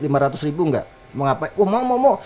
enggak mau ngapain mau mau mau